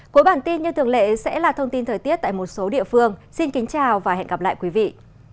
cuối bản tin như thường lệ sẽ là thông tin thời tiết tại một số địa phương xin kính chào và hẹn gặp lại quý vị